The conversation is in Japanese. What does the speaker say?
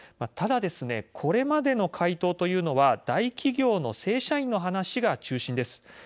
ただですね、これまでの回答というのは大企業の正社員の話が中心です。